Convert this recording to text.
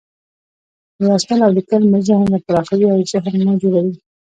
لوستل او لیکل مو ذهن پراخوي، اوذهین مو جوړوي.